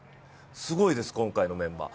すごいです、今回のメンバー。